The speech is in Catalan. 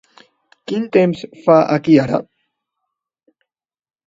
Quin temps fa aquí ara?